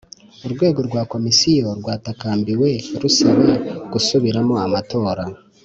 Urwego rwa Komisiyo rwatakambiwe rusaba gusubiramo amatora